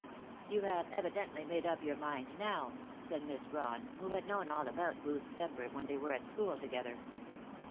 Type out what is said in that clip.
"You have evidently made up your mind now," said Miss Brawn, who had known all about Ruth's temper when they were at school together.